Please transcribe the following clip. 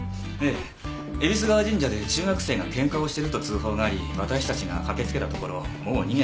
えびす川神社で中学生が喧嘩をしていると通報があり私たちが駆けつけたところもう逃げたあとで。